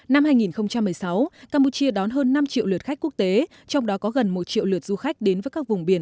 năm hai nghìn một mươi sáu campuchia đón hơn năm triệu lượt khách quốc tế trong đó có gần một triệu lượt du khách đến với các vùng biển